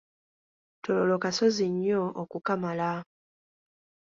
Tororo kasozi nnyo okukamala.